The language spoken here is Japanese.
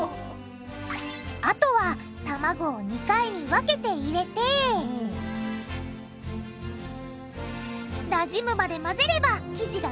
あとは卵を２回に分けて入れてなじむまで混ぜれば生地が完成！